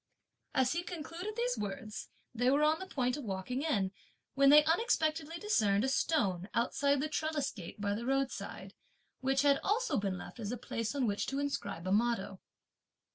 As he concluded these words, they were on the point of walking in, when they unexpectedly discerned a stone, outside the trellis gate, by the roadside, which had also been left as a place on which to inscribe a motto.